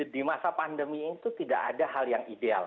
di masa pandemi itu tidak ada hal yang ideal